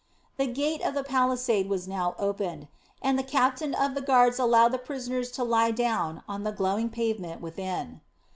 The gate of the palisade was now opened, and the captain of the guards allowed the prisoners to lie down on the glowing pavement within.